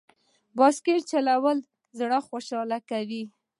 بایسکل چلول زړه خوشحاله کوي.